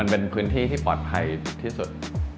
เป็นพื้นที่ที่ปลอดภัยที่สุด